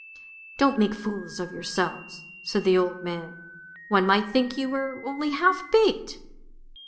" Don't make fools of yourselves," said the old man; " one might think you were only half baked."